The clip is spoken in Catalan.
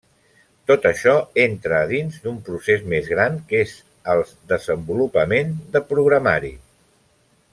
Tot això entra a dins d'un procés més gran que és el desenvolupament de programari.